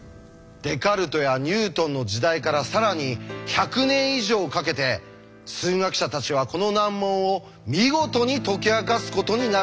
デカルトやニュートンの時代から更に１００年以上かけて数学者たちはこの難問を見事に解き明かすことになるんです。